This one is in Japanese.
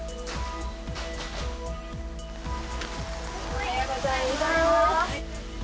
おはようございます。